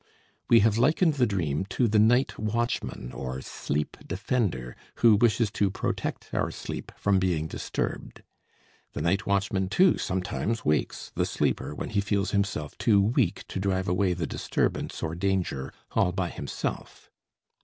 We have likened the dream to the night watchman or sleep defender who wishes to protect our sleep from being disturbed. The night watchman, too, sometimes wakes the sleeper when he feels himself too weak to drive away the disturbance or danger all by himself.